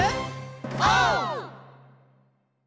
オー！